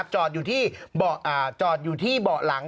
หยุดที่เบาะหลัง